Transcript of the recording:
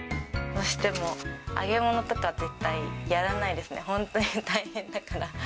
どうしても揚げ物とかは絶対やらないですね、本当に大変だから。